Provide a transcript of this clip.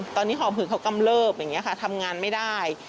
ตอนนี้หอบหืดเขากำเลิบอย่างนี้ค่ะทำงานไม่ได้